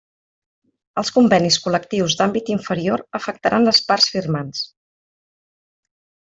Els convenis col·lectius d'àmbit inferior afectaran les parts firmants.